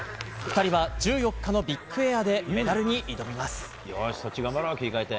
２人は、１４日のビッグエアでメダルに挑みます。